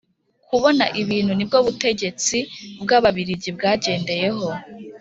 Kubona ibintu ni bwo ubutegetsi bw ababirigi bwagendeyeho